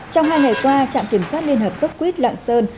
trong hai ngày qua trạm kiểm soát liên hợp dốc quýt lạng sơn